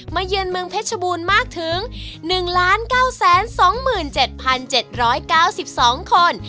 เยือนเมืองเพชรบูรณ์มากถึง๑๙๒๗๗๙๒คน